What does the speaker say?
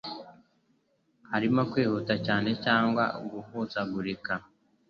harimo kwihuta cyane cyangwa guhuzagurika.